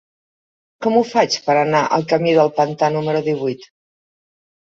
Com ho faig per anar al camí del Pantà número divuit?